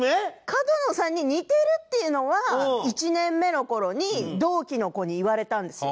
角野さんに似てるっていうのは１年目の頃に同期の子に言われたんですよ。